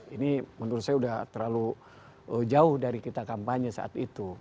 ini menurut saya sudah terlalu jauh dari kita kampanye saat itu